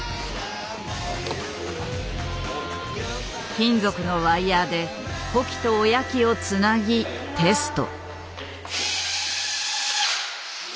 金属のワイヤーで子機と親機をつなぎテスト。